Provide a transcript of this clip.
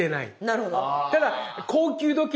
なるほど。